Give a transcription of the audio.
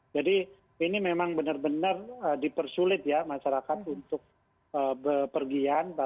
jadi ini memang benar benar dipersulit ya masyarakat untuk pergian